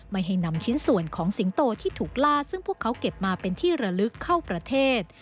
ไม่ให้นำชิ้นส่วนของสิงโตที่ถูกล่าซึ่งพวกเขาเก็บมาเป็นที่ระลึกเข้าประเทศ